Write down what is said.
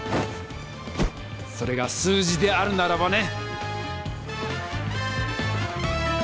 それが数字であるならばね！